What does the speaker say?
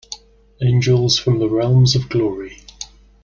Angels from the realms of glory.